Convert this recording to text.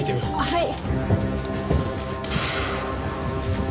はい。